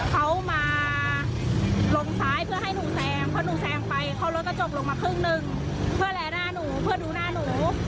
เขามาลงซ้ายเพื่อให้หนูแซงเพราะหนูแซงไปเขาลดกระจกลงมาครึ่งหนึ่งเพื่อแลหน้าหนูเพื่อดูหน้าหนู